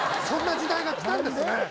そんな時代が来たんですね